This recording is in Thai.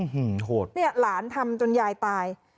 โหดเนี่ยหลานทำจนยายตาย